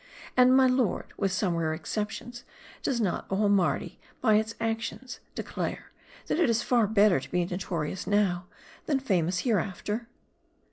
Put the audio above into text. And, my lord, with some rare exceptions, does not all Mardi, by its actions, declare, that it is far better to be notorious now, than' famous hereafter